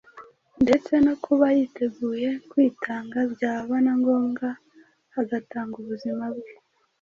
ndetse no kuba yiteguye kwitanga byaba na ngombwa agatanga ubuzima bwe.